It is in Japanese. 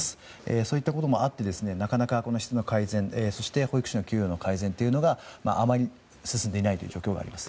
そういったこともありましてなかなか質の改善そして、保育士の給与の改善があまり進んでいないところがあります。